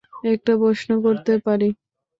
একটা প্রশ্ন করতে পারি?